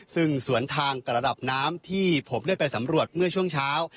ซึ่งสวนทางกับระดับน้ำที่ผมได้ไปสำรวจเมื่อช่วงเช้า